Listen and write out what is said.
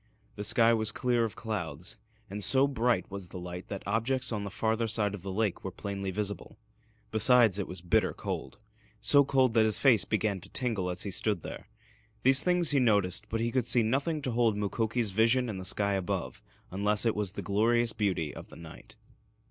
The sky was clear of clouds and so bright was the light that objects on the farther side of the lake were plainly visible. Besides, it was bitter cold so cold that his face began to tingle as he stood there. These things he noticed, but he could see nothing to hold Mukoki's vision in the sky above unless it was the glorious beauty of the night.